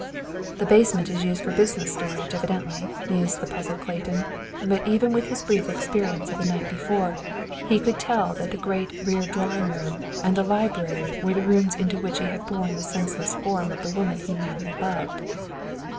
"The basement is used for business storage, evidently," mused the puzzled Clayton; but even with his brief experience of the night before, he could tell that the great rear drawing room and library were the rooms into which he had borne the senseless form of the woman he madly loved.